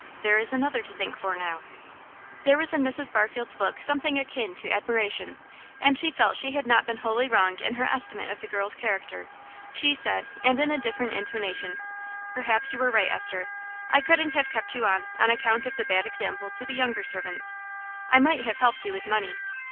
There is another to think for now." There was in Mrs. Barfield's look something akin to admiration, and she felt she had not been wholly wrong in her estimate of the girl's character; she said, and in a different intonation "Perhaps you were right, Esther. I couldn't have kept you on, on account of the bad example to the younger servants. I might have helped you with money.